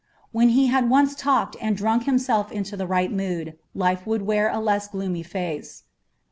When he had once talked and drunk himself into the right mood, life would wear a less gloomy face.